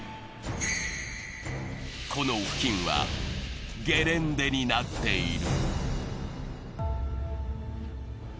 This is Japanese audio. この付近はゲレンデになっている。